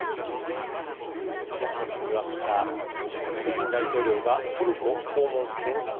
東野さんにはプーチン大統領がトルコ訪問を検討。